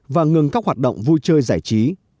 và ngừng các hoạt động vui chơi giải trí